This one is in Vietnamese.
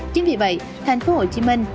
chính vì vậy thành phố hồ chí minh